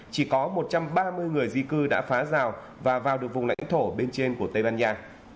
chỉ có một trăm ba mươi người di cư đã phá rào và vào được vùng lãnh thổ bên trên của tây ban nha